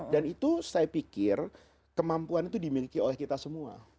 dan itu saya pikir kemampuan itu dimiliki oleh kita semua